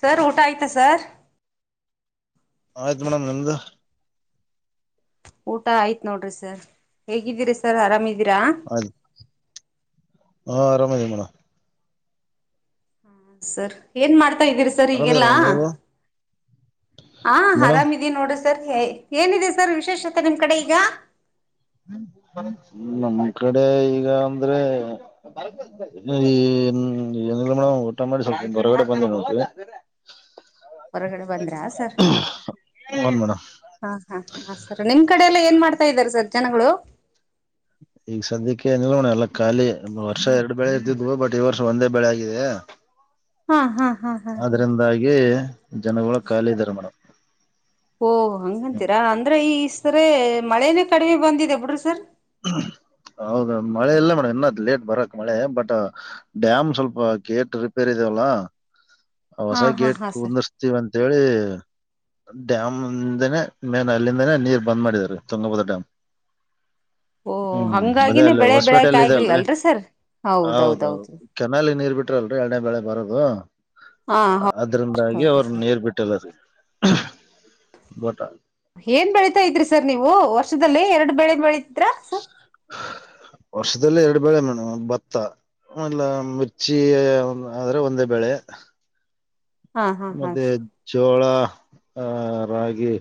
sir ಊಟ ಆಯ್ತಾ sir ಆಯ್ತು ಮೇಡಮ್ ನಿಮ್ದ ಊಟ ಆಯ್ತ್ ನೋಡ್ರಿ ಸರ್ ಹೇಗಿದ್ದೀರಿ ಸರ್ ಆರಾಮಿದೀರಾ ಆಯ್ತು ಹಾ ರಮೇಶಮ್ಮಣ ಸರ್ ಏನ್ ಮಾಡ್ತ ಇದೀರಿ ಸರ್ ಆರಾಮಿದ್ರ ಈಗೆಲ್ಲ ಮೇಡಮ್ ಹ ನೀವು ಮೇಡಮ್ ಆರಾಮ ಇದೀ ನೋಡ ಸ ಏನಿದೆ ಸರ್ ವಿಶೇಷತೆ ನಿಮ್ ಕಡೆ ಈಗ ನಮ್ ಕಡೆ ಈಗ ಅಂದ್ರೆ ಈ ಏನಿಲ್ಲ ಮೇಡ್ ಊಟ ಮಾಡಿ ಸ್ವಲ್ಪ ಹೊರಗಡೆ ಬಂದ ಹ ಹೊರಗಡೆ ಬಂದ್ರ ಸರ್ ಹನ್ ಮೇಡಮ್ ಹಾ ಹಾ ಹಾ ಸರ್ ನಿಮ್ ಕ ಎಲ್ಲ ಏನ್ ಮಾಡ್ತಾ ಇದ್ದಾರೆ ಸರ್ ಜನಗಳು ಈಗ ಸದ್ಯಕ್ಕೆ ಏನಿಲ್ಲ ಮೋಣ ಎಲ್ಲ ಖಾಲಿ ವರ್ಷ ಎರಡ್ ಬೆಳೆ ಇರ್ತಿದ್ಬಟ್ ಈ ವರ್ಷ ಒಂದೇ ಬೆಳೆ ಆಗಿದೆ ಹಾ ಹಾ ಹಾ ಹಾ ಹಾ ಅ್ರಂದಾಗಿ ಜನಗಳ ಖಾಲಿ ಇದ್ದಾರೆ ಮೇಡಮ್ ಓಹ ಹಂಗಂತೀರಾ ಅಂದ್ರ ಈಸರ ಮಳೇನೇ ಕಡಿಮೆ ಬಂದಿದೆ ಬಿಡ್ರಿ ಸರ್ ಹಾ ಹೌದ ಮಳೆ ಇಲ್ಲ ಮೇಡಮ್ ಇನ್ನ್ ಲೇಟ್ ಬರಕ್ ಮಳೆ ಬಟ್ ಡ್ಯಾಮ್ ಸ್ವಲ್ಪ ಗೇಟ್ ರಿಪೇರ್ ಇ ಹ ಹ ಹೊಸ ಗೇಟ್ ಕುಂದರ್ಸ್ತೀವಿ ಅಂತೇಳಿ ಡ್ಯಾಮ್ಂದನೇ ಮೇನ್ ಅಲ್ಲಿಂದನೇ ನೀರ್ ಬಂದ್ ಮಾಡಿದ್ದಾರೆ ತುಂಗಭದ ಡ್ಯಾಮ್ ಓ ಹ್ಮ್ ಅದೇ ಹಂಗಾಗಿನೇ ಅಲ್ಲಿ ಬೆಳೆ ಬೆಳೆಕ ಹೊಸಪೇಟೆಯಲ್ಲಿ ಇದೆ ಆಗಿಲ್ಲ ಅಲ್ರಿ ಸರ್ ಹೌದೌದು ಹೌದೌದೌದು ಕೆನಾಲಿ ನೀರ್ ಬಿಿಟ್ಟು ಬಿಟಲ್ರಿ ಎಳೇ ಬೆಳೆ ಬರದು ಹಾ ಹೌದು ಅದ್ರಿಂದಾಗಿ ಹೌದು ಅವ್ರ ಸರ್ ನೀರ್ ಬಿಟ್ಟಲ್ಲ ಹ ಏನ್ ಬೆಳೀತಾ ಇದ್ರಿ ಸರ್ ನೀವು ವರ್ಷದಲ್ಲಿ ಎರಡು ಬೆಳೆ ಬೆಳತ ವರ್ಷದಲ್ಲಿ ಎರಡು ಬೇಳೆ ಮೇಡಮ ಭತ್ತ ಮಲ್ಲ ಮಿರ್ಚಿ ಆದ್ರೆ ಒಂದೇ ಬೆಳೆ ಹಾ ಹಾ ಹಾ ಮತ್ತೆ ಜೋಳ ಆಹ ರಾಗಿ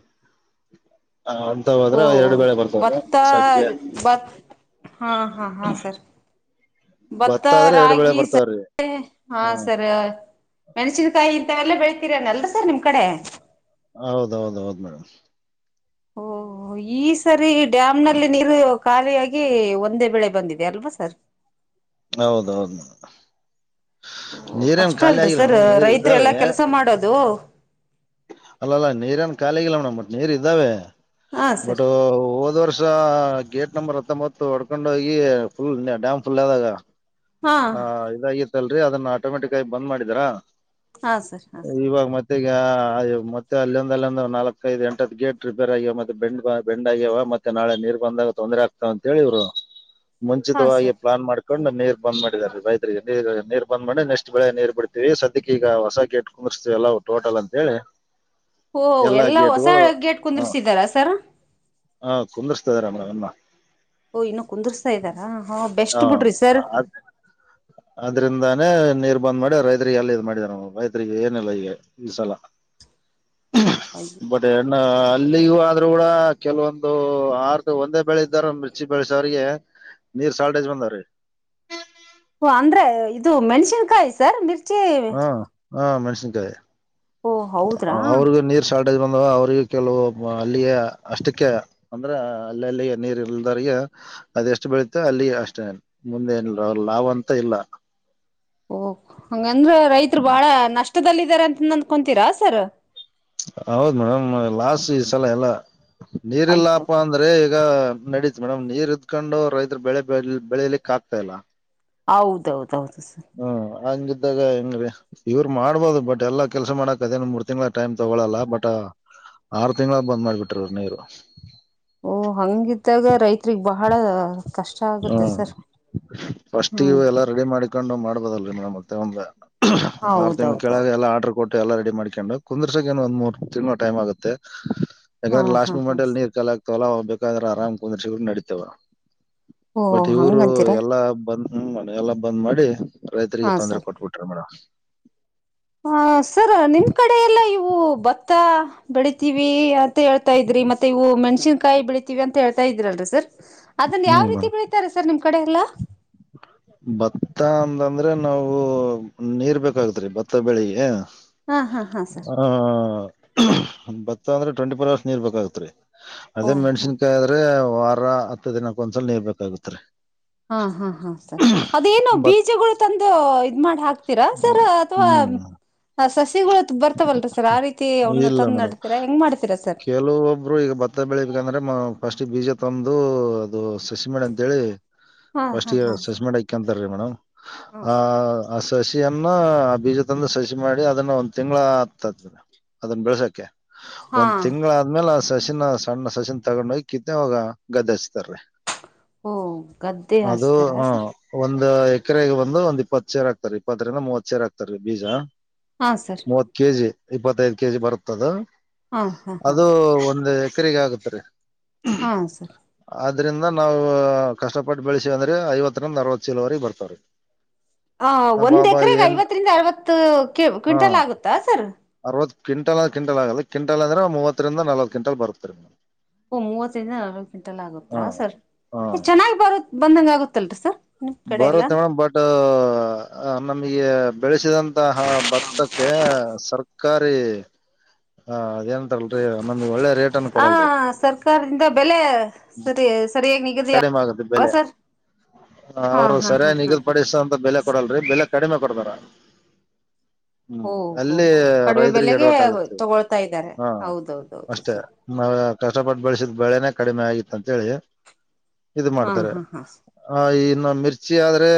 ಹ ಅಂತ ಓ ಹೋದ್ರೆ ಎರಡು ವೇಳೆ ಬರ್ತದ್ರ ಭತ್ತ ಸಂಜೆ ಭತ್ ಹಾ ಹಾ ಹಾ ಸರ್ ಭತ್ತ ಆದ್ರೆ ಎರಡು ಬೆಳೆ ರಾಗಿ ಸ ಬರ್ತವ್ರಿ ಹಾ ಹ ಸರಿ ಮೆಣಸನ್ಕಾಯಿ ವೆಲ್ಲ ಬೆಳಳ್ತೀರನಲ್ಲ ಸರ್ ನಿಮ್ ಕಡೆ ಹೌದೌದ ಹೌದ ಮೇಡಮ್ ಓಹ ಈ ಸರಿ ಡ್ಯಾಮ್ ನಲ್ಲಿ ನೀರು ಖಾಲಿಯಾಗಿ ಒಂದೇ ಬೆೇಳೆ ಬಂದಿದೆ ಅಲ್ವಾ ಸರ್ ಹೌದೌದು ನೀರೇಏನ್ ಕಷ್ಟ ಖಾಲಿ ಅಲ್ರಿ ಆಗಿಲ್ಲ ಸರ್ ಮೇಡಮ್ ನೀರ್ ಇದ್ದಾವೆ ರೈತರೆಲ್ಲಾ ಕೆಲಸ ಮಾಡೋದು ಅಲ್ಲಲ್ಲ ನೀರೇಏನ್ ಖಾಲಿಗಿಲ್ಲ ಮೇಡಮ್ ಬಟ್ ನೀರ್ ಇದ್ದಾವೆ ಹಾ ಬಟ್ ಸರ್ ಹೋದ್ ವರ್ಷ ಗೇಟ್ ನಂಬರ್ ಮತ್ತ ಮ ಒಡ್ಕೊಂಡ ಹೋಗಿ ಫುಲ್ ಡ್ಯಾಮ್ ಫುಲ್ ಆದಾಗ ಹಾ ಆ ಇದಾಗಿತ್ತಲ್ಲ ೀ ಅದನ್ನ ಆಟೋಮೆಟಿಕ್ಗಿ ಬಂದ್ ಮಾಡಿದರಾ ಹಾ ಸರ್ ಹಾ ಸ ಮತ್ತ ಈಗ ಮತ್ತೆ ಅಲ್ಲಿೊಂದ ಅಲ್ಲಿೊಂದು ನಾಲ್ಕೈಐದು ಎಂಟ್ ಗೇಟ್ ರಿಪೇರ್ ಆಗ್ಯವ ಮತ್ತೆ ಬೆಂಡ್ ಬೆಂಡ್ ಆಗ್ಯವ ಮತ್ತೆ ನಾಳೆ ನೀರ್ ಬಂದಾಗ ತೊಂದ್ರರೆ ಆಗ್ತಾವ ಅಂತ ಹೇಳಿವ್ರು ಹ ಮುಂಚಿತವಾಗಿ ಪ್ಲಾನ್ ಮಾಡ್ಕೊಂಡು ನೀರ್ ಬಂದ್ ಮಾಡಿದ್ದಾರೆ ರೈತರಿಗೆ ನೀರ್ ನೀರ್ ಬಂದ್ ಮಾಡಿ ನೆಕ್ಸ್ಟ್ ಬೆಳೆ ನೀರ್ ಬಿಡ್ತೀವಿ ಸದ್ಯಕ್ಕೆ ಈಗ ಹೊಸ ಗ ಎಟ್ಟು ಕುರ್್ತೀವಲ್ಲಾ ಟೋಟಲ್ ಅಂತ ಹೇಳಿ ಓ ಎಲ್ಲಾ ಹೊಸ ಗೇಟ್ಗಳು ಗೇಟ್ ಹ ಕುಂದ್ರಿಸಿದಾರಾ ಸರ್ ಹ ಕುಂದ್ರ ರ ಮ ಓ ಇನ್ನು ಕುಂದರ್ಸ್ತಾ ಇದ್ದಾರಾ ಹಾ ಬೆಸ್ಟ್ ಬಿಡ್ರಿ ಸರ್ ಹ ಅದ್ರಿಂದಾನೇ ನೀರ್ ಬಂದ್ ಮಾಡಿ ರೈತರಿಗೆ ಎಲ್ಲಿ ಇದ್ ಮಾಡಿದಾರ ರೈತ್ರಿಗೆ ಏನೆಲ್ಲ ಈಗ ಈ ಸಲ ಬಟ್ೆ ಅಲ್ಲಿಗೂ ಆದ್ೂ ಕೂಡ ಕೆಲವೊಂದು ಆರ್್ದ ಒಂದೇ ಬೆಳೆ್ದಾರ ಮಿರ್ಚಿ ಬೆಳೆಸವ್ರಿಗೆ ನೀರ್ ಸಲ್ಟೇಜ್ ಬಂದಾರೀ ಓ ಅಂದ್ರೆ ಇದು ಮೆಣ್ಸಿನ್ಕಾಯಿ ಸರ್ರ್ ಹಾ ಹಾ ಮೆಣಸನ್ಕಾಯಿ ಓ ಹೌದ್ರಾ ಅವ್ರಗ ನೀರ್ ಸಳ ಬಂದ ಅವರಿಗೆ ಕೆಲವು ಅಲ್ಲಿಯ ಅಷ್ಟಕ್ಕೆ ಅಂದ್ರೆ ಅಲ್ಲಿ ಅಲ್ಲಿ ನೀರ್ ಇಲ್ದರಿಗೆ ಅದೆ ಎಷ್ಟು ಬೆಳಿತ ಅಲ್ಲಿ ಅಷ್ಟೇ ಮುಂದೆ ಏನ ಅವ್ರ ಲಾಭ ಅಂತ ಇಲ್ಲ ಓ ಹಂಗಂದ್ರ ರೈತರು ಬಾಳ ನಷ್ಟದಲ್ಲಾರ ಅಂತ ಅಂದ್ಕೊಂತೀರಾ ಸರ್ ಹೌದ್ ಮೇಡಮ್ ಲಾಸ್ಟ್ ಈ ಸಲ ಎಲ್ಲ ಅಯ್ಯೋ ನೀರಿಲ್ಲಾಪ ಅಂದ್ರೆ ಈಗ ನಡ ಮೇಡಮ್ ನೀರ್ ಇದತ್್ಕೊಂಡು ರೈತರು ಬೆಳೆ ಬೆ ಬೆಳೆಯಲಿಕ್ ಆಗ್ತಾ ಇಲ್ಲ ಹೌದೌದೌದು ಸರ್ ಹ್ಮ್ ಹಂಗಿದ್ದಾಗ ಹೆಂಗ ರೀ ಇವ್ರು ಮಾಡ್ಬೋದು ಬಟ್ ಎಲ್ಲಾ ಕೆಲ್ಸ ಮಾಡಕಕ್ ಅದೇ ಮೂರ್ ತಿಂಗ್ಳ ಟೈಮ್ ತಗೊಳಲ್ಲ ಬಟ್ ಆರು ತಿಂಗಳಾಗ ಬಂದ್ ಮಾಡ್ಬಿಟ್ರ ನೀರು ಓ ಹಂಗಿದ್ದಾಗ ರೈತ ತ್ಗ್ ಬಹಳ ಕಷ್ಟ ಆಗುತ್ತೆ ಹ್ಮ್ ಸರ್ ಹ್ಮ್ ಲ್ ಮತ್ತೆ ಒ ಆರು ತಿಗಳು ಹೌದೌದೌದು ಕೆಳಗೆ ಎಲ್ಲ ಆರ್ಡರ್ ಕೊಟ್ಟ ಎಲ್ಲ ರೆಡಿ ಮಾಡ್ಕೊಂಡು ಕುುದರ್ಸಾಗ ಏ ಒಂದ್ ಮೂರ್ ತಿಗಳು ಟೈಮ್ ಆಗುತ್ತೆ ಹಾ ಯಾಕಂದ್ರೆ ಹಾ ಲಾಸ್ಟ್ ಹಾ ಮೂಮೆಂಟ್ ಅಲ್ಲಿ ನೀರ್ ಕಾಲ ಆಗ್ತವಲ್ಲ ಬೇಕಂದ್ರೆ ಆರಾಮ್ ಕುಂದ್ರಿಡ ನಡಿತತವ ಓ ಬಟ್ ಇವರು ಹಂಗಂತೀರಾ ಎಲ್ಲಾ ಬಂದ ಹ್ಮ್ ಮನೆ ಎಲ್ಲಾ ಬಂದ್ ಮಾಡಿ ರೈತರಿಗೆ ಹಾ ಸರ್ ತೊಂದ್ರ ಕೊಟ್ಬಿಟ್ರ ಮೇಡಮ್ ಹ ಸರ್ ನಿಮ್ ಕಡೆ ಎಲ್ಲಾ ಇವು ಭತ್ತ ಬೆಳಿತೀವಿ ಅ ಹೇಳ್ತಾ ಇದ್ರಿ ಮತ್ತೆ ಇವು ಮೆಣಸನ್ಕಾಯಿಳಿತೀವಿ ಅಂತ ಹೇತಾ ಇದ್ರರಲ್ರಿ ಸರ್ ಅದನ್ನ ಯಾವ ರೀತಿ ಬೆಳೀಿತಾರೆ ಸರ್ ನಿಮ್ ಕಡೆ ಎಲ್ಲಾ ಬತ್ತ ಅಂದ ಅ್ರೆ ನಾವು ನೀರ್ ಬೇಕಾಗತ್್ರರಿ ಭತ್ತ ಬೆಳಿಗ್ ಆ ಹಾ ಹಾ ಹಾ ಸರ್ ಬತ್ತ ಅಂದ್ರೆ ಟ್ವೆಂಟಿ ಫೋರ್ ಅವರ್ಸ್ ನೀರ್ ಬೇಕಾಗತ್ರಿ ಅದೇ ಓಹೋ ಮೆಣ್ಸಿನ್ಕಾಯಿ ಆದ್ರೆ ವಾರ ಹತ್ತು ದಿನಕ್ಕ ಒಂದ್ಸಲ ನೀರ್ ಬೇಕಾಗತ್ರಿ ಹಾ ಹಾ ಹಾ ಸರ್ ಅದೇನು ಭತ್ ಬೀಜಗಳು ತಂದು ಇದ್ ಮಾಡಿ ಹಾಕ್ತೀರಾ ಸರ್ ಅಥವಾ ಹ್ಮ್ ಹ ಸ ಸಿಗಳು ಬರ್ತಾವಲ್ರ ಸರ್ ಆ ರೀತಿ ಅವನ ಇಲ್ಲ ತಂದ್ ಮೇಡಮ್ ನಡ್ತೀರಾ ಹೆಂಗ್ ಮಾಡ್ತೀರ ಸರ್ ಕೆಲವೊಬ್ರು ಈಗ ಭತ್ತ ಬೆಳಿಬೇಕಂದ್ರೆ ಫಸ್ಟ್ ಬೀಜ ತಂದು ಅದು ಸಸಿಮಂಡ ಅಂತೇಳಿ ಹಾ ಫಸ್ಟ್ ಹಾ ಹಾ ಸಸಿಮ ಕಂತ ಮೇಡಮ್ ಹಾ ಆ ಆ ಸಸಿಯನ್ನ ಆ ಬೀಜ ತಂದು ಸಸಿ ಮಾಡಿ ಅದನ್ನ ಒಂದ್ ತಿಂಗಳ ಆತ ಅದನ್ನ ಬೆಳಸಕ ಹಾ ಒಂದ್ ತಿಂಗಳಾದ್ಮೇಲೆ ಸಸಿಿನ ಸಣ್ಣ ಸಸಿನ್ ತಗೊಂಡ್ ಹೋಗಿ ಕತ್ವೋಗ ಗದ್ದಸ್ತಾರೀ ಓ ಗದ್ದೆ ಅದು ಹಾಸ್ತಾರಾ ಹ ಸರ್ ಒಂದು ಒ ಎಕರೆಗೆ ಬಂದು ಒಂದ್ ಇಪ್ಪತ್ತು ಸೇರ್ ಆಗ್ತಾರೆ ಇಪ್ಪತ್ತರಿಂದ ಮೂವತ್ ಸೇರ್ ಆಕ್ತಾರೆ ಬೀಜ ಹಾ ಸರ್ ಮೂವತ್ ಕೆ ಜಿ ಇಪ್ಪತ್ತೈದು ಕೆ ಜಿ ಬರುತ್ತದು ಹಾ ಹಾ ಹಾ ಅದು ಒಂದು ಸರಿಗ ಆಗತ್ ರೀ ಹಾ ಸರ್ ಇದದರಿಂದ ನಾವವು ಕಷ್ಟಪಟ್ಟ ಬೆಳೆಸಿವ ಅಂದ್ರೆ ಐವತ್ತರಿಂದ ಅರವತ್ ಸಲವರೆ ಬರ್ತವ್ರೀ ಹ ಒಂದ್ ಎಕರೆಗೆ ಐವತ್ತರಿಂದ ಅರವತ್ತು ಕ್ವಿಂಟಲ್ ಆಗುತ್ತಾ ಸರ್ ಇಪ್ಪ ಕ್ವಿಂಟಲ್್ಂಟಲ್ ಆಗ ಕಂಟ ಅಂದ್ರೆ ಮೂವತ್ತರಿಂದ ನಲ್ವ ಕಂಟಲ್ ಬರುತ್ತತ್ರಿ್ ಓ ಮೂವತ್ತರಿಂದ ನಲ್ವ ಕ್ವಿಂಟಲ್ ಹಾ ಆಗತ್ರಾ ಸರ್ ಹಾ ಚೆನ್ನಾಗಿ್ ಬರು ಬಂದಂಗ ಆಗತ್ತಲ್ರಿ ಸರ್ ನಿಮ್ ಕಡೆ ಎಲ್ಲ ಬರುತ್ತೆ ಮೇಡಮ್ ಬಟ್ ನಮಗೆ ಬೆಳೆಸಿದಂತಹ ಭತ್ತ ಅ ಸರ್ಕಾರಿ ಆ ಅದೇಂತಲ್ರರಿ ನೊಂದ ಒಳ್ಳೆ ರೇಟ್ ಅನ್ನು ಕೊಡಲ್ರಿ ಹ ಸರ್ಕಾರದಿಂದ ಬೆಲೆ ಸರಿ ಸರಿಯಾಗಿ ನಿಗದಿ ಕಡಿಮೆ ಆಗುತ್ತೆ ಅಲ್ವಾ ಬೆಲೆ ಸರ್ ಹಾ ಅವರು ಹಾ ಸರಿಯ ಹಾ ಹಾ ಹಾ ನಿಗದಿಪಡಿಸಂತ ಬೆಲೆ ಕೊಡಲ್ರಿ ಬೆಲೆ ಕಡಿಮೆ ಕೊಡದಾರ ಓಹ್ ಹೋ ಹೋ ಕಡಿಮೆ ರೈತರಿಗೆ ಬೆಲೆಗೆ ಎಡವಟ್ ಆಗತ್ರಿ ತಗೊಳ್ತಾ ಇದ್ದಾರೆ ಹೌದೌದೌದು ಸರಿ ಕಷ್ಟಪಟ್ಟ ಬೆಳೆಸಿದ ಬೆಳೆನೇ ಕಡಿಮೆ ಆಗಿ ಅಂತೇಳಿ ಇದು ಹಾ ಮಾಡ್ತಾರೆ ಹಾ ಹಾ ಆ ಇನ್ನು ಮಿರ್ಚಿ ಆದ್ರೆ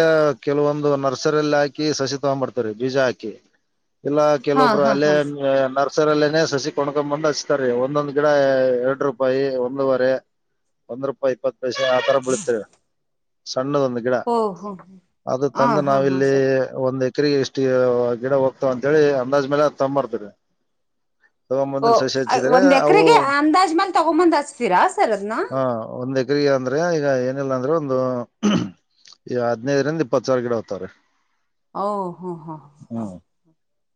ಕೆಲವೊಂದು ನರ್ಸರಿಲ್ಲಿ ಹಾಕಿ ಸಸಿ ತಗೊಬಡ್ತಾರೆ ಬೀಜ ಹಾಕಿ ಇಲ್ಲಾ ಹಾ ಕೆಲವೊಬ್ರು ಹಾ ಅಲ್ಲೇ ಹಾ ಹಸರಲ್ಲೇನನೆ ಸಸಿ ಕೊಂಡ್ಕೊ್ ಬಂದ್ ಹಚ್ತಾರೀ ಒಂದೊಂದ್ ಗಿಡ ಎರಡ್ ರೂಪಾಯಿ ಒಂದುವರೆ ಒಂದ್ ರೂಪಾಯಿ ಇಪ್ಪತ್ತು ಪೈಸೆ ಆತರ ಬೀಳ್ತರಿ ಸಣ್ಣದ ಒಂದು ಗಿಡ ಓ ಹೋ ಅದು ಹಾ ತಂದು ಹಾ ಹಾ ನಾವಿಲ್ಲಿ ಸರ್ ಒಂದು ಅಕ್ಕ್ರ ಎಷ್ಟು ಗಿಡ ಹೋಗ್ತಾವ ಅಂತೇಳಿ ಅಂದಾಜ್ ಮೇಲೆ ತೊರ್ತವಿ ತ ಓ ಮೊದಲು ಸಸೆ ಹಚ್ಚಿದರೆ ಒಂದ್ ಅವು ಎಕರೆಗೆ ಅಂದಾಜ್ ಮೇಲ್ ತಗೊಂಬಂದ್ ಹಚ್ತೀರಾ ಸರ್ ಅದನ್ನ ಹ ಒಂದ ಗ್ರಾ ಅಂದ್ರೆ ಈಗ ಏನೆಲ್ಲ ಅಂದ್ರೆ ಒಂದು ಈ ಹದ್ನೈದರಿಂದ ಇಪ್ಪತ್ ಸರ ಗಿಡ ಹತ್ತಾರ ಓ ಹ ಹಾ ಹ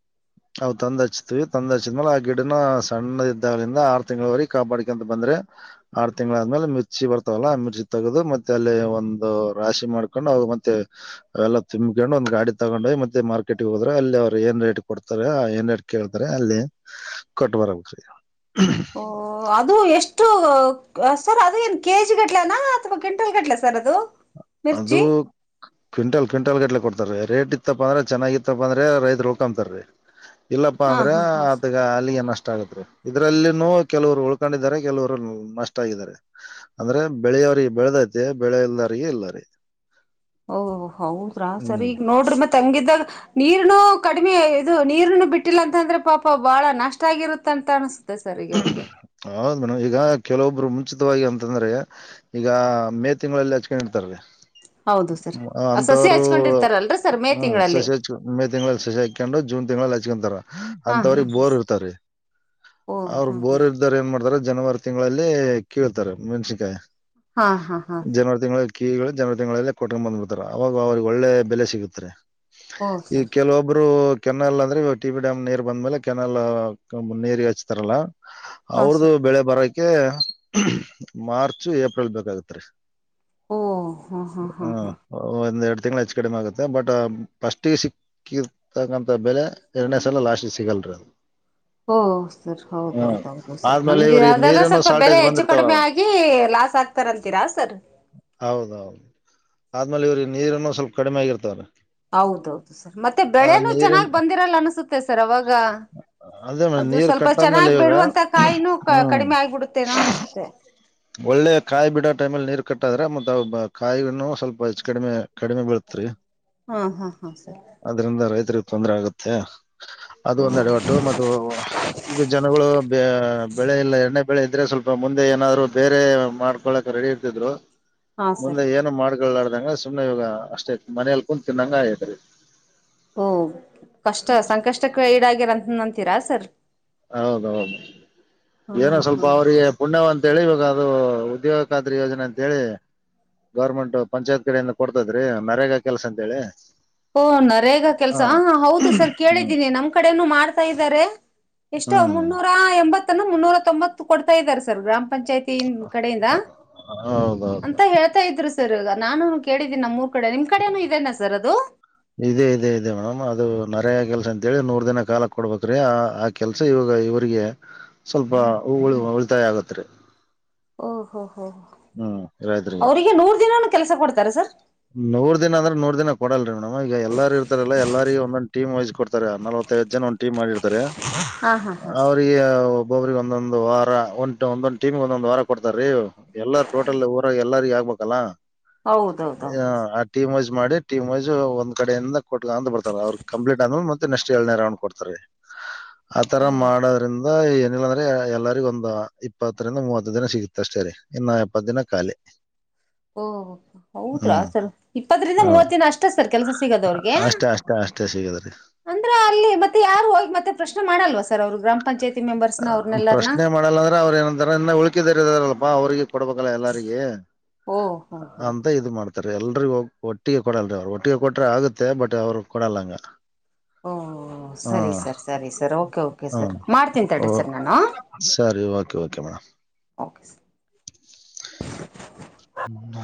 ಹ ಅವು ತಂದ ಹಚ್ತೀವಿ ತಂದ್ ಹಚ್ಚಿದ ಮೇಲೆ ಆ ಗಿಡನ ಸಣ್ಣದ ಇದ್ದಾಗಲಿಂದ ಆರು ತಿಂಗಳವರೆಗೆ ಕಾಪಾಡಿಕಂತ ಬಂದ್ರೆ ಆರು ತಿಂ್ಗಳಾದ ಆದ್ಮೇಲೆ ಹಚಿ ಬರ್ತಾವಲ್ಲ ಆ ಮಿರ್ಚಿ ತಗದು ಮತ್ತೆ ಅಲ್ಲಿ ಒಂದು ರಾಶಿ ಮಾಡ್ಕೊಂಡು ಅವ ಮತ್ತೆ ಅವೆಲ್ಲ ತುಂಬ ಕೊಂಡ್ ಒಂದ್ ಗಾಡಿ ತಗೊಂಡ್ೋಗ್ ಮತ್ತೆ ಮಾರ್ಕೆಟ್ ಹೋದ್ರ ಅಲ್ಲಿ ಅವರು ಏನ್ ರೇಟ್ ಕೊಡ್ತಾರೆ ಏನ್ ರೇಟ್ ಕೇಳ್ತಾರೆ ಅಲ್ಲಿ ಕಟ್ ಮಾಡರ ಓ ಅದು ಎಷ್ಟು ಸರ್ ಅದು ಏನ್ ಕೆಜಿ ಗಟ್ಲನಾ ಅಥವಾ ಕ್ವಿಂಟಲ್ ಗಟ್ಲಾ ಸರ್ ಅದು ಮಿರ್ಚಿ ಅದು ಕ್ವಿಂಟಲ್ ಕ್ವಿಂಟಲ್ ಗಟ್ಲೆ ಕೊಡ್ತಾರ ರೀ ರೇಟ್ ಇತ್ತಪ್ಪ ಅಂದ್ರೆ ಚೆನ್ನಾಗಿ ಇತ್ತಪ್ಪ ಅಂದ್ರೆ ರೈತ್ರು ಹೋಕೊತಾರ ರೀ ಇಲ್ಲಪ್ಪಾ ಹಾ ಅಂದ್ರೆ ಹಾ ಹಾ ಅದುಗ ಅಲ್ಲಿಗೆಏನಷ್ಟ ಇದ್ರಲ್ಲಿ ಕೆಲವರು ಉಳ್ಕೊಂಡಿದ್ದಾರೆ ಕೆಲವರು ನಷ್ಟ ಆಗಿದ್ದಾರೆ ಅಂದ್ರೆ ಬೆಳೆಯ ಅವ್ರಿಗೆ ಬೆಳೆದೈತೆ ಬೆಳೆಲ್ದವರಿಗೆ ಇಲ್ಲ ರೀ ಓಹ ಹೌದ್ರಾ ಸರಿ ಹ್ಮ್ ಈಗ ನೋಡ್ರಿ ಮತ್ತೆ ತಂಗಿದಾಗ ನೀರ್ನು ಕಡಿಮೆ ಇದು ನೀರ್ನು ಬಿಟ್ಟಿಲ್ಲ ಅಂತಂದ್ರೆ ಪಾಪ ಬಾಳ ನಷ್ಟ ಆಗಿರುತ್ತ ತ ಹೌದ ಮೇಡ್ ಈಗ ಕೆಲವೊಬ್ರುಂ ಉಚಿತವಾಗಿ ಅಂತಂದ್ರೆ ಈಗ ಮೇ ತಿಂಗಳಲ್ಲಿ ಹಚ್ಕೊಂಡ್ ಇಡ್ತಾರ ಹೌದು ಸರ್ ಸಸಿ ಅಂತವರು ಹಚ್ಕೊಂಡಿರ್ತಾರಲ್ರಿ ಸರ್ ಮೇ ಹೂ ತಿಂಗಳಲ್ಲಿ ಸಸಿ ಹಚ್ ಮೇ ತಿಂಗಳಲ್ಲಿ ಸಸಿ ಹಾಕೊಂಡು ಜೂನ್ ತಿಂಗಳಲ್ಲಿ ಹಚ್ಕೊಂತಾರ ಅಂತವ್ರ ಬೋರ್ ಇರ್ತಾರೀ ಹ ಅವ್ರರು ಬೋರ್ರ್್ದಾರ ಏನ್ ಮಾಡ್ತಾರ ಜನವರಿ ತಿಂಗಳಲ್ಲಿ ಕೀಳ್ತಾರೆ ಮೆಣ್ಸನ್ಕಾಯಿ ಹಾ ಹಾ ಹಾ ಸ ಕೀಗಳು ಜನವರಿ ತಿಂಗಳಲ್ಲೇ ಕೊಟ್ಕೊಂಡು ಬಂದ್ಬಿಡ್ತಾರೆ ಅವಾಗ ಅವ್ರಿಗೆ ಒಳ್ಳೆ ಬೆಲೆ ಸಿಗುತ್ತೆ ಓ ಈ ಸರ್ ಕೆಲವೊಬ್ರು ಕೆನಲ್ ಅಂದ್ರೆ ಟಿ ಬಿ ಡ್ಯಾಮ್ ನೀರ್ ಬಂದ್ಮೇಲೆ ಕೆನಲ್ ನೀರ್ ಹಚ್ತಾರಲ್ಲ ಹಾ ಅವ್ರ್ದು ಸರ್ ಬೆಳೆ ಬರೋ ಅಕೆ ಮಾರ್ಚ್ು ಏಪ್ರಿಲ್ ಬೇಕಾಗತ್ರಿ ಓ ಹಾ ಹಾ ಹ ಹಾ ಹಾ ಒಂದ ಎರೆಡು ತಿಂಗಳು ಹೆಚ್ಚು ಕಡಿಮೆ ಆಗುತ್ತೆ ಬಟ್ ಫಸ್ಟ್ಿಗೆ ಸಿಕ್ಕಿರ್ತಕ್ಕಂಂತ ಬೆಲೆ ಎರಡನೇ ಸಲ ಲಾಸ್ಟ್ಿಗೆ ಸಿಗಲ್ ಹ ಹ ಸರ್ ಹೌದೌದೌದು ಸರ್ ಆದ್ಮೇಲೆ ಹಗೆ ಇವ್ರಿಗೆ ಆದಾಗ ನೀರಿನ ಸ್ವಲ್ಪ ಬೆಲೆ ಶಾರ್ಟೇಜ್ ಹೆಚ್ಚು ಬಂದಿರ್ತಾವ ಕಡಿಮೆ ಆಗಿ ಲಾಸ್ ಆಗ್ತಾರ ಅಂತೀರಾ ಹ ಸರ್ ಹೌದೌದು ಆದ್ಮೇಲೆ ಇವ್ರಿಗೆ ನೀರನ್ನು ಸ್ವಲ್ಪ ಕಡಿಮೆ ಆಗಿರ್ತವ್ರ ಹೌದೌದು ಸರ್ ಮತ್ತೆ ಬೆಳೆನೂ ನೀರಿನ್ ಚೆನ್ನಾಗ್ ಬಂದಿರಲ್ಲ ಅನ್ಸುತ್ತೆ ಸರ್ ಅವಾಗ ಅದೇ ಮೇಡಮ್ ಅದು ನೀರ್ ಸ್ವಲ್ಪ ಕಟ್ಟಾದ್ಮೇಲೆ ಚೆನ್ನಾಗ್ ಇವಾಗ ಬಿಡುವಂತ ಕಾಯಿನೂ ಹ್ಮ್ ಕಡಿಮೆ ಆಗ್ಬಿಡುತ್ತೇನೋ ಅನ್ಸುತ್ತೆ ಒಳ್ಳೆ ಕಾಯಿ ಬಿಡೋ ಟೈಮಲ್ಲಿ ನೀರ್ ಕಟ್ಟಾದ್ರೆ ಮತ್ತತ್ ಕಾಯಿನ್ನ ಸ್ವಲ್ಪ ಹೆಚ್ಚ ಕಡಿಮೆ ಕಡಿಮೆ ಬೆೀಳತತ್ ರರಿ ಹಾ ಹಾ ಹಾ ಸರಿ ತೊಂದ್ರ ಆಗತ್ತೆ ಅದು ಓ ಒಂದ್ೆಡೆ ಒಟ್ಟು ಮ ಈಗ ಜನಗಳು ಬೆಳೆ ಎಲ್ಲ ಎಣ್ಣೆ ಬೆಳೆ ಇದ್ರೆ ಸ್ವಲ್ಪ ಮುಂದೆ ಏನಾದ್ರು ಬೇರೆ ಮಾಡ್ಕೊಳಕ್ ರೆಡಿ ಇರ್ತಿದ್ರು ಹಾ ಸರ್ ಮುಂದೆ ಏನು ಮಾಡ್ಕಾರ್ದಂಗ ಸುಮ್ನೆ ಇವಾಗ ಅಷ್ಟೇ ಮನಲ್ ಕು ತಿನ್ನಂಗ ಆಯತ್ರಿ ಓ ಕಷ್ಟ ಸಂಕಷ್ಟಕ್ಕೆ ಈಡಾಗಿರಂತ ಅಂತೀರಾ ಸರ್ ಹೌದೌದು ಹಾ ಏನೋ ಸ್ವಲ್ಪ ಹಾ ಅವರಿಗೆ ಪುಣ್ಯವಂತ ಹೇಳಿ ಇವಾಗ ಅದು ಉದ್ಯೋಗ ಖಾದ್ರರಿ ಯೋಜನೆ ಅಂತೇಳಿ ಗೌರ್ಮೆಂಟ್ ಪಂಚಾಯತ್ ಕಡೆಯಿಂದ ಕೊಡ್ತದ್ರಿ ಮರೇಗ ಕೆಲ್ಸ ಅಂತ ಹೇಳಿ ಓ ನರೇಗಾ ಕೆಲ್ಸ ಹ ಹೌದು ಸರ್ ಹ್ಮ್ ಕೇಳಿದ್ದೀನಿ ನಮ್ ಕಡೆನೂ ಮಾಡ್ತಾ ಇದ್ದಾರೆ ಎಷ್ಟು ಹ್ಮ್ ಮುನ್ನೂರ ಎಂಬತ್ತನ್ನು ಮುನ್ನೂರ ತೊಂಬತ್ತು ಕೊಡ್ತಾ ಇದ್ದಾರೆ ಸರ್ ಗ್ರಾಮ್ ಪಂಚಾಯತಿ ಕಡೆಯಿಂದ ಹೌದೌದು ಅಂತ ಹೇಳ್ತಾ ಇದ್ರು ಸರ್ ಸರ್ ನಾನು ಕೇಳಿದ್ದೀನಿ ನಮ್ಮ್ ಮೂರ್ ಕಡೆ ನಿಮ್ ಕಡೆನು ಇದದೆೇನಾ ಸರ್ ಅದು ಇದದೆ ಇದೆ ಇದೆ ಮೇಡಮ್ ಅದು ನರ ಕೆಲ್ಸ ಅಂತೇಳಿ ನೂರ್ ದಿನ ಕಾಲಕ್ ಕೊಡ್ಬೇಕ್ರಿ ಆ ಆ ಕೆಲ್ಸ ಇವಾಗ ಇವರಿಗೆ ಸ್ವಲ್ಪ ಉಳಿತಾಯ ಆಗತ್ ಓ ಹೋ ಹೋ ಹ ಹ್ಮ್ ರೈತರಿಗೆ ಅವ್ರರಿಗೆ ನೂರ್ ದಿನಾನ ಕೆಲ್ಸ ಕೊಡ್ತಾರೆ ಸರ್ ನೂರ್ ದಿನ ಅಂದ್ರೆ ನೂರ್ ದಿನ ಕೊಡಲ್ರೀ ಮೇಡಮ್ ಈಗ ಎಲ್ಲಾರ ಇರ್ತಾರಲ್ಲ ಎಲ್ಲಾರಗ ಒಂದೊಂದು ಟೀಮ್ ವೈಸ್ ಕೊಡ್ತಾರೆ ಅ ಜನ ಟೀಮ್ ಮಾಡಿರ್ತಾರೆ ಹಾ ಹಾ ಹಾ ಅವ್ರಿಗೆ ಒಬ್ಬರಿಗೆ ಒಂದೊಂದಂದು ವಾರ ಒ ಒಂದೊಂದು ಟೀಮಗೆ ಒಂದೊಂದಂದು ವಾರ ಕೊಡ್ತಾರ ರೀ ಎಲ್ಲಾರ ಟೋಟಲ್ ಊರ ಎಲ್ಲಾರ ಯ ಪಕಲ್ಲಾ ಹ ಹೌದೌದೌದು ಸರ್ ಆ ಟೀಮ್ ವಜ್ ಮಾಡಿ ಟೀಮ್ ಒಂದ್ ಕಡಿಂದ ಕೊಟ್ಟ ಅ ಬರ್ತಾರೆ ಅವ್ರ ಕಂಪ್ಲೀಟ್ ಅಂದ ಮತ್ತೆಸ್ಟ್ ಏಳ್ನರ್ ಕೊತಾರೆ ಹೂ ಆತರ ಮಾಡೋದ್ರಿಂದ ಇಲ್ಲ ಅಂದ್ರೆ ಎಲ್ಲರಿಗ ಒಂದು್ ಇಪ್ಪತ್ತರಿಂದ ಮೂವತ್ತು ದಿನ ಸಿಗುತ್ತ ಅಷ್ಟೇ ರರಿ ಇನ್ನು ಎಪ್ಪತ್ತು ದಿನ ಖಾಲಿ ಓ ಹೌದ್ರಾ ಹ್ಮ್ ಸರ್ ಇಪ್ಪತ್ತರಿಂದ ಹೌ ಮೂವತ್ತ ದಿನ ಅಷ್ಟ ಸರ್ ಕೆಲ್ಸ ಸಿಗದು ಅವ್ರಿಗೆ ಅಷ್ಟೇ ಅಷ್ಟೇ ಅಷ್ಟೇ ಸಿಗದ್ರಿ ಅಂದ್ರ ಅಲ್ಲಿ ಮತ್ತೆ ಯಾರು ಹೋಗಿ ಮತ್ತೆ ಪ್ರಶ್ನೆ ಮಾಡಲ್ವಾ ಸರ್ ಅವ್ರು ಗ್ರಾಮ ಪಂಚಾಯತ್ ಪ್ರಶ್ನೆ ಮಾಡಲ್ಲಂದ್ರೆ ಅವ್ರ ಏನಂತಾರ ಇನ್ನ ಉಳ್ಕಿದರಿದಾರಲ್ಲಪಾ ಅವ್ರಿಗೆ ಕೊಡ್ಬೇಕಲ್ಲ ಎಲ್ಲಾರಗ ಓ ಹೋ ಹೋ ಅಂತ ಇದು ಮಾಡ್ತ ಎಲ್ರಿ ಒಟ್ಟಿಗೆ ಕೊಡಲ್ರಿ ಅವ್ರು ಒಟ್ಟಿಗೆ ಕೊಟ್ರೆ ಆಗುತ್ತೆ ಬಟ್ ಅವ್ರ ಕೊಡಲ್ಲಂಗ ಓ ಸರಿ ಸರ್ ಸರಿ ಸರ್ ಕೆ ಕೆ ಸರ್ ಹ್ಮ್ ಮಾಡ್ ಓ ಸರಿ okay okay ma'am okay sir ಹ್ಮ